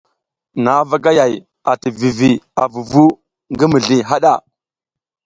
Nha vagayay ati vivi a vuvu ngi mizli haɗa.